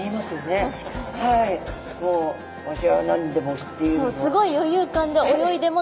「わしは何でも知っているぞ」。